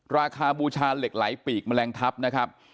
บูชาเหล็กไหลปีกแมลงทัพนะครับ